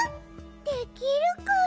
できるかな？